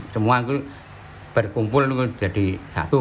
semua berkumpul jadi satu